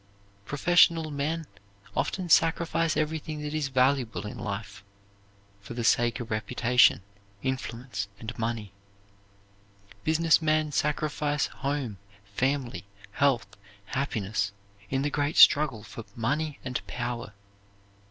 Professional men often sacrifice everything that is valuable in life for the sake of reputation, influence, and money. Business men sacrifice home, family, health, happiness, in the great struggle for money and power.